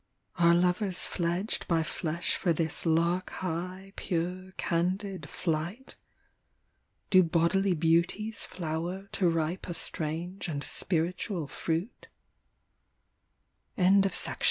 Are lovers fledged by flesh for this lark high. Pure, candid flight ? Do bodily beauties flower To ripe a strange and spiritual fruit? 41 ALAN PORTER. BLIND.